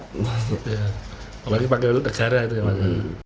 kalau lagi panggil negara itu ya mas